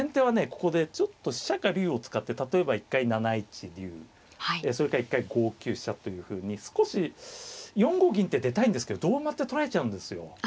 ここでちょっと飛車か竜を使って例えば一回７一竜それか一回５九飛車というふうに少し４五銀って出たいんですけど同馬って取られちゃうんですよ。